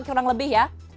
kurang lebih ya